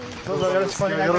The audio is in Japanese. よろしくお願いします